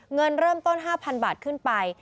เงินเริ่มต้น๕๐๐๐บาทขึ้นไป